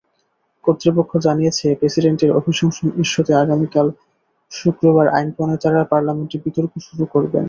কর্তৃপক্ষ জানিয়েছে, প্রেসিডেন্টের অভিশংসন ইস্যুতে আগামীকাল শুক্রবার আইনপ্রণেতারা পার্লামেন্টে বিতর্ক শুরু করবেন।